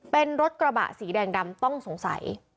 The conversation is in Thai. เป็นรถกระบะสีแดงดำต้องสงสัย